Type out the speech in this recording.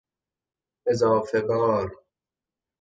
اضافه بار